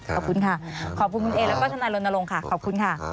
ขอบคุณค่ะขอบคุณคุณเอแล้วก็ทนายรณรงค์ค่ะขอบคุณค่ะ